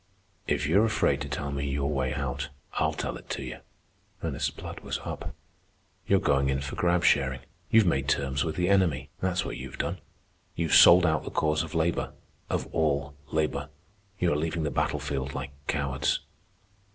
"If you're afraid to tell me your way out, I'll tell it to you." Ernest's blood was up. "You're going in for grab sharing. You've made terms with the enemy, that's what you've done. You've sold out the cause of labor, of all labor. You are leaving the battle field like cowards."